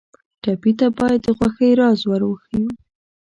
ټپي ته باید د خوښۍ راز ور وښیو.